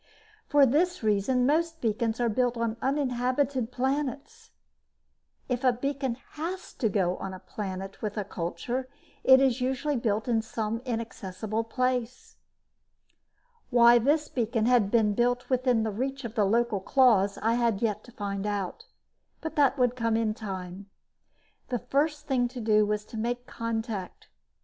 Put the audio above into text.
For this reason, most beacons are built on uninhabited planets. If a beacon has to go on a planet with a culture, it is usually built in some inaccessible place. Why this beacon had been built within reach of the local claws, I had yet to find out. But that would come in time. The first thing to do was make contact.